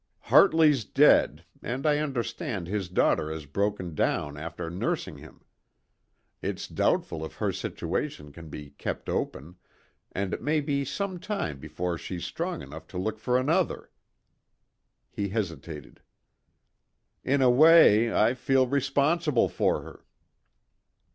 "Hartley's dead, and I understand his daughter has broken down after nursing him. It's doubtful if her situation can be kept open, and it may be some time before she's strong enough to look for another." He hesitated. "In a way, I feel responsible for her."